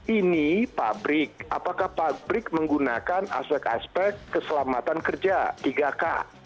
ini pabrik apakah pabrik menggunakan aspek aspek keselamatan kerja tiga k